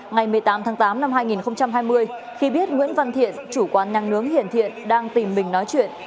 ngày một mươi tám tháng tám năm hai nghìn hai mươi khi biết nguyễn văn thiện chủ quán năng nướng hiển thiện đang tìm mình nói chuyện